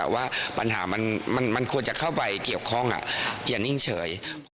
ว่าปัญหามันควรจะเข้าไปเกี่ยวข้องอย่านิ่งเฉย